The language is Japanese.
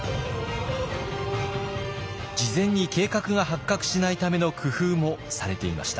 事前に計画が発覚しないための工夫もされていました。